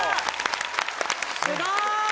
すごい。